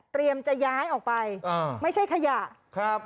จะย้ายออกไปอ่าไม่ใช่ขยะครับ